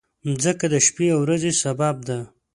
مځکه د شپې او ورځې سبب ده.